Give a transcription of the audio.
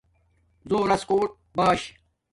زݸراس کوٹ باݽ